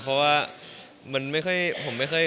เพราะว่าผมไม่เคยเคยมีแบบนี้